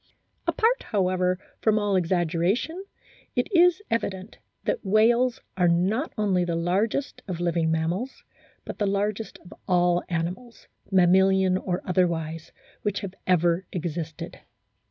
Apart, however, from all exaggeration, it is evident that whales are not only the largest of living mammals, but the largest of all animals, mamma lian or otherwise, which have ever existed.